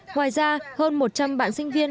ngoài ra hơn một trăm linh bạn sinh viên